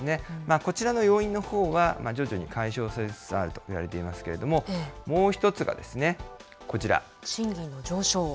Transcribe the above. こちらの要因のほうは徐々に解消されつつあるといわれていますけ賃金の上昇。